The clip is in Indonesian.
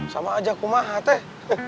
sama aja kumaha teh